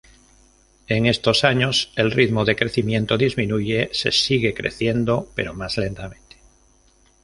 En estos años, el ritmo de crecimiento disminuye, se sigue creciendo pero más lentamente.